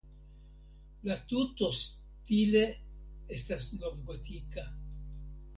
La tuto stile estas novgotika.